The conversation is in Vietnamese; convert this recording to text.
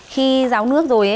khi ráo nước rồi